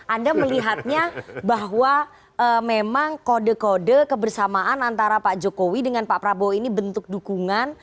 anda melihatnya bahwa memang kode kode kebersamaan antara pak jokowi dengan pak prabowo ini bentuk dukungan